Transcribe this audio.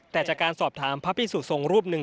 แต่จากการสอบถามพระพิสุทรงรูปหนึ่ง